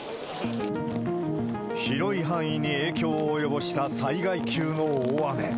広い範囲に影響を及ぼした災害級の大雨。